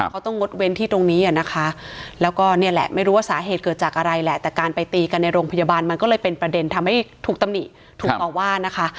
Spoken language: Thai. เขาต้องงดเว้นที่ตรงนี้อ่ะนะคะแล้วก็เนี่ยแหละไม่รู้ว่าสาเหตุเกิดจากอะไรแหละแต่การไปตีกันในโรงพยาบาลมันก็เลยเป็นประเด็นทำให้ถูกตำหนิถูกต่อว่านะคะ